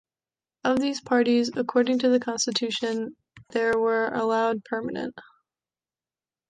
Of these parties, according the constitution, there were allowed permanent.